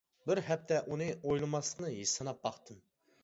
بىر ھەپتە ئۇنى ئويلىماسلىقنى سىناپ باقتىم.